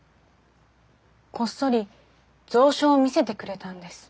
こっそり蔵書を見せてくれたんです。